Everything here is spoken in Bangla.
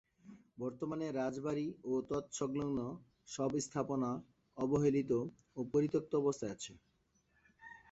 বর্তমানে রাজবাড়ি ও তৎসংলগ্ন সব স্থাপনা অবহেলিত ও পরিত্যক্ত অবস্থায় আছে।